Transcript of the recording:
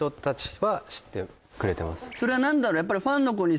それは何だろ？